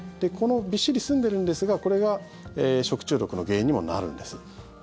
びっしり、すんでいるんですがこれが食中毒の原因にもなるんです。